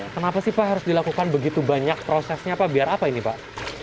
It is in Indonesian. kenapa sih pak harus dilakukan begitu banyak prosesnya pak biar apa ini pak